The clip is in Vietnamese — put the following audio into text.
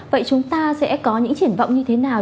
vậy chúng ta sẽ có những triển vọng như thế nào